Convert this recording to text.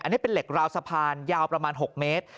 อันนี้เป็นเหล็กราวสะพานยาวประมาณ๖เมตร